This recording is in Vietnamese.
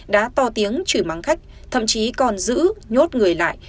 đã to tiếng chửi mắng khách thậm chí còn giữ nhốt người lại